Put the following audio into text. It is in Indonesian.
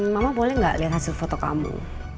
mama boleh gak liat hasil foto kamu